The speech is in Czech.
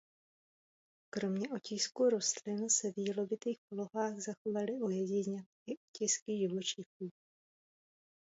Kromě otisků rostlin se v jílovitých polohách zachovaly ojediněle i otisky živočichů.